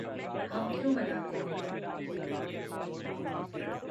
ہم کیوں مناتے ہیں